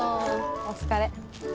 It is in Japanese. お疲れ。